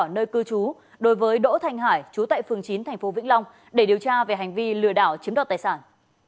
nơi cư trú đối với đỗ thành hải trú tại phường chín thành phố vĩnh long để điều tra về hành vi lừa đảo chiếm đoạt tài sản